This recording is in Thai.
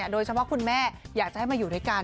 คุณแม่อยากจะให้มาอยู่ด้วยกัน